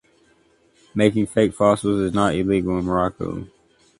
Making fake fossils is not illegal in Morocco.